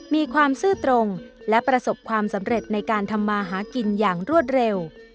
มีความซื่อตรงและประสบความสำเร็จในการทำมาหากินอย่างรวดเร็ว